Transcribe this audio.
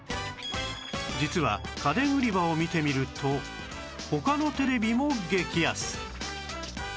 実は家電売り場を見てみると他のテレビも激安